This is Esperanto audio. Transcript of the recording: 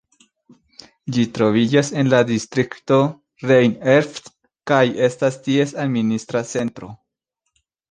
Ĝi troviĝas en la distrikto Rhein-Erft, kaj estas ties administra centro.